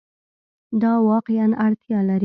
دا واقعیا اړتیا لري